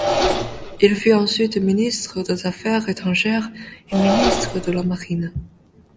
Il fut ensuite Ministre des Affaires étrangères et Ministre de la Marine.